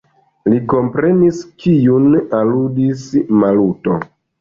Li komprenis, kiun aludis Maluto.